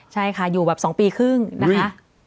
ใช่ค่ะอยู่แบบ๒ปีครึ่งนะคะ